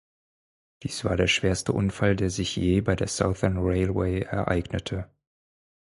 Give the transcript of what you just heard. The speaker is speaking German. Dies war der schwerste Unfall, der sich je bei der Southern Railway ereignete.